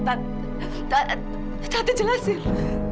kamu harus berusaha sempat tante